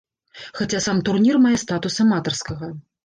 Хаця сам турнір мае статус аматарскага.